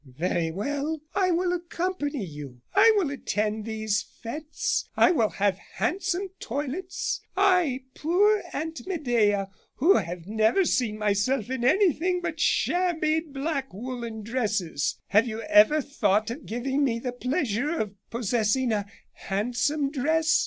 Very well, I will accompany you. I will attend these fetes. I will have handsome toilets, I poor Aunt Medea who have never seen myself in anything but shabby black woollen dresses. Have you ever thought of giving me the pleasure of possessing a handsome dress?